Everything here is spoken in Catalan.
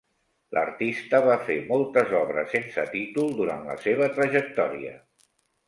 L'artista va fer moltes obres sense títol durant la seva trajectòria.